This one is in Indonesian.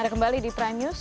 kembali di prime news